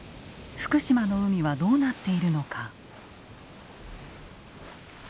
福島の海はどうなっているのか。